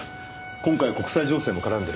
今回は国際情勢も絡んでる。